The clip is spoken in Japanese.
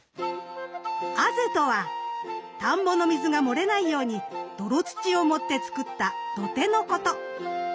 あぜとは田んぼの水が漏れないように泥土を盛って作った土手のこと。